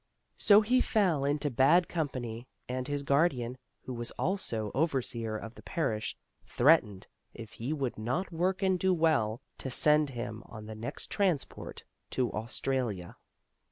So he fell into bad com pany, and his guardian, who was also overseer of the parish, threatened, if he would not work and do well, to send him on the next transport to Australia.